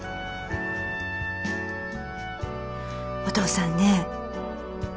お父さんね